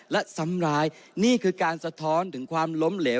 และซ้ำร้ายนี่คือการสะท้อนถึงความล้มเหลว